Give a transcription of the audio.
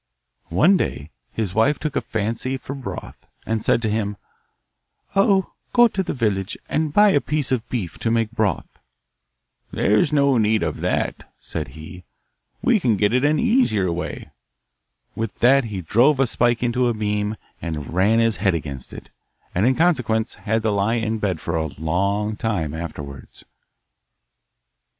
One day his wife took a fancy for broth, and said to him, 'Oh, go to the village, and buy a piece of beef to make broth.' 'There's no need of that,' said he; 'we can get it an easier way.' With that he drove a spike into a beam, and ran his head against it, and in consequence had to lie in bed for a long time afterwards.